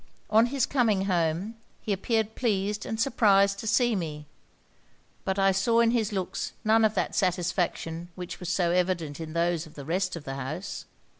On his coming home, he appeared pleased and surprised to see me; but I saw in his looks none of that satisfaction which was so evident in those of the rest of the house.